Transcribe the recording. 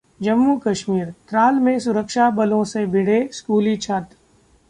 जम्मू कश्मीर: त्राल में सुरक्षा बलों से भिड़े स्कूली छात्र